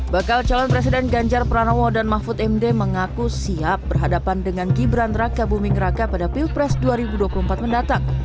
bakal calon presiden ganjar pranowo dan mahfud md mengaku siap berhadapan dengan gibran raka buming raka pada pilpres dua ribu dua puluh empat mendatang